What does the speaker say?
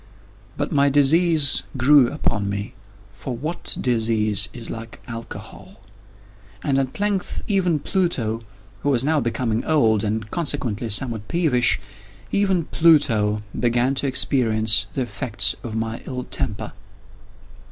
But my disease grew upon me—for what disease is like Alcohol!—and at length even Pluto, who was now becoming old, and consequently somewhat peevish—even Pluto began to experience the effects of my ill temper.